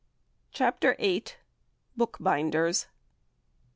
CHAPTER VIII. BOOKBINDERS.